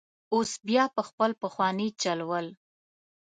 اوس بیا په خپل پخواني چل ول.